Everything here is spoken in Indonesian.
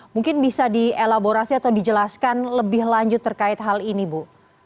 mungkin bisa dielaborasi atau dijelaskan lebih lanjut terkait hal ini bu